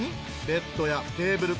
ベッドやテーブル